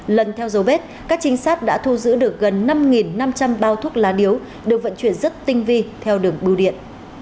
lần theo dấu vết các trinh sát đã thu giữ được gần năm năm trăm linh bao thuốc lá điếu được vận chuyển rất tinh vi theo đường bưu điện